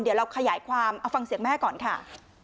เดี๋ยวเราขยายความเอาฟังเสียงแม่ก่อนค่ะ